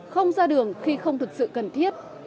không ra đường khi không thực sự cần thiết